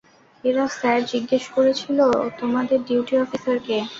এরা স্যার জিজ্ঞেস করছিল, তোমাদের ডিউটি অফিসার কে।